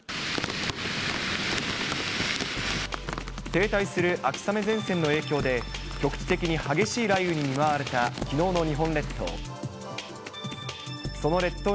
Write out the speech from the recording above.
停滞する秋雨前線の影響で、局地的に激しい雷雨に見舞われたきのうの日本列島。